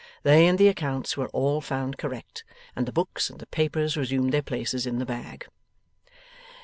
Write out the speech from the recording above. They and the accounts were all found correct, and the books and the papers resumed their places in the bag.